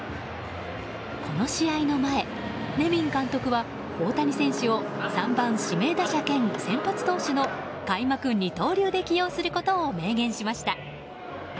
この試合の前ネビン監督は大谷選手を３番指名打者兼先発投手の開幕二刀流で起用することを明言しました。